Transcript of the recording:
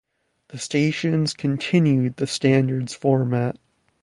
The stations continued the standards format.